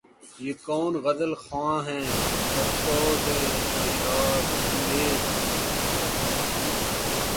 یہ کون غزل خواں ہے پرسوز و نشاط انگیز